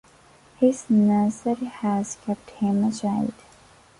His nursery has kept him a child.